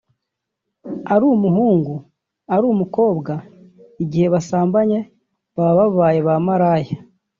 ari umuhungu ari umukobwa igihe basambanye baba babaye ba maraya